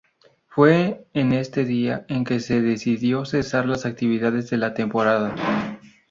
Fue en este día en que se decidió cesar las actividades de la Temporada.